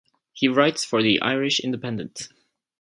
He writes for the "Irish Independent".